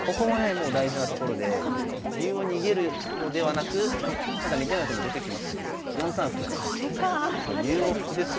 もう大事なところで竜を逃げるのではなく似たような手も出てきましたけど４三歩とねなるほど。